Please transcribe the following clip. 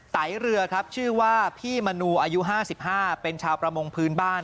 ไตเรือครับชื่อว่าพี่มนูอายุ๕๕เป็นชาวประมงพื้นบ้าน